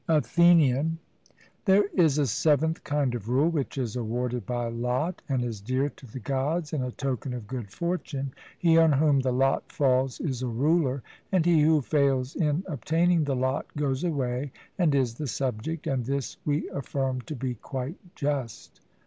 ATHENIAN: There is a seventh kind of rule which is awarded by lot, and is dear to the Gods and a token of good fortune: he on whom the lot falls is a ruler, and he who fails in obtaining the lot goes away and is the subject; and this we affirm to be quite just.